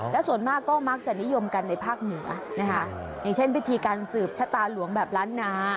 และส่วนมากก็มักจะนิยมกันในภาคเหนือนะคะอย่างเช่นวิธีการสืบชะตาหลวงแบบล้านนา